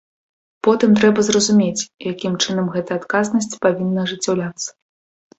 Потым трэба зразумець, якім чынам гэта адказнасць павінна ажыццяўляцца.